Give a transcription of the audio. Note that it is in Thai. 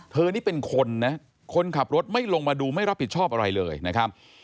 นี่เป็นคนนะคนขับรถไม่ลงมาดูไม่รับผิดชอบอะไรเลยนะครับ